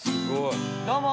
どうも。